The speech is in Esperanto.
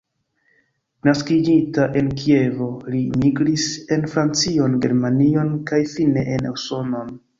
Naskiĝinta en Kievo, li migris en Francion, Germanion kaj fine en Usonon.